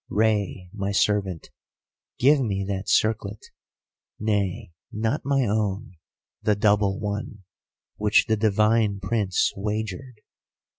Rei, my servant, give me that circlet; nay, not my own, the double one, which the divine Prince wagered.